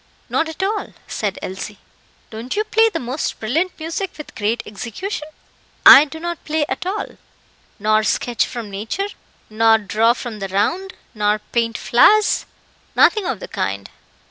"Not at all," said Elsie. "Don't you play the most brilliant music with great execution?" "I do not play at all." "Nor sketch from nature nor draw from the round nor paint flowers?" "Nothing of the kind."